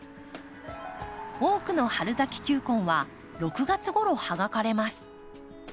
多くの春咲き球根は６月ごろ葉が枯れます。